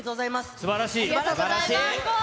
すばらしい。